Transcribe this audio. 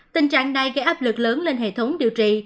tình trạng này gây áp lực lớn lên hệ thống điều trị